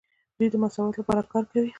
دوی د مساوات لپاره کار کوي.